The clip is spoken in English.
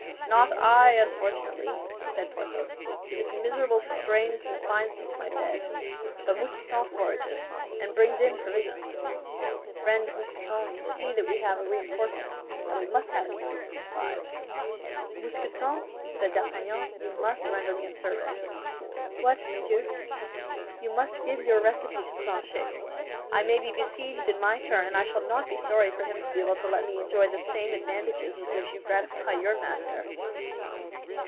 "Not I, unfortunately!" said Porthos. "This miserable strain confines me to my bed; but Mousqueton forages, and brings in provisions. Friend Mousqueton, you see that we have a reinforcement, and we must have an increase of supplies." "Mousqueton," said D'Artagnan, "you must render me a service." "What, monsieur?" "You must give your recipe to Planchet. I may be besieged in my turn, and I shall not be sorry for him to be able to let me enjoy the same advantages with which you gratify your master."